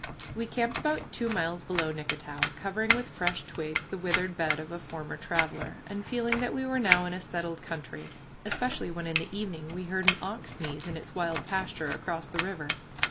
We camped about two miles below Nicketow, covering with fresh twigs the withered bed of a former traveler, and feeling that we were now in a settled country, especially when in the evening we heard an ox sneeze in its wild pasture across the river.